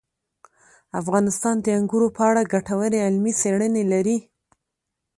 افغانستان د انګورو په اړه ګټورې علمي څېړنې لري.